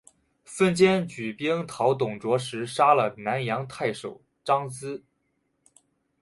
孙坚举兵讨董卓时杀了南阳太守张咨。